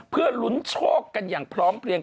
เพื่อลุ้นโชคกันอย่างพร้อมเพลียง